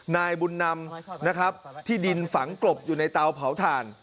นายบุญนำนะครับที่ดินฝังกลบอยู่ในเตาเผาถ่าน